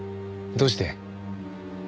どうして？